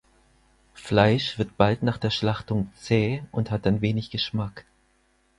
Fleisch wird bald nach der Schlachtung zäh und hat dann wenig Geschmack.